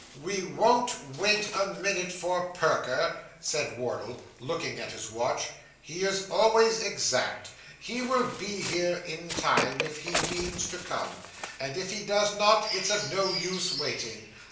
'We won't wait a minute for Perker,' said Wardle, looking at his watch; 'he is always exact. He will be here, in time, if he means to come; and if he does not, it's of no use waiting.